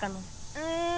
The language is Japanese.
うん。